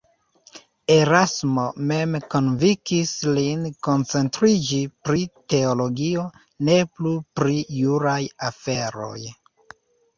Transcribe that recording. Erasmo mem konvinkis lin koncentriĝi pri teologio, ne plu pri juraj aferoj.